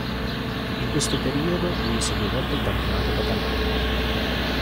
In questo periodo vinse due volte il campionato catalano.